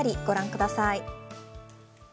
ご覧ください。